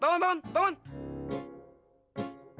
bangun bangun bangun